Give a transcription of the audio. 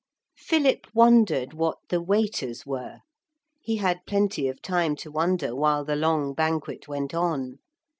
Philip wondered what the waiters were. He had plenty of time to wonder while the long banquet went on.